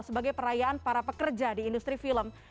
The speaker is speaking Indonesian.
sebagai perayaan para pekerja di industri film